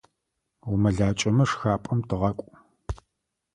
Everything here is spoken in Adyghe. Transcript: УмэлакӀэмэ, шхапӀэм тыгъакӀу.